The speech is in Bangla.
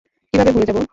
কিভাবে ভুলে যাবো?